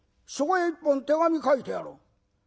そこへ一本手紙書いてやろう。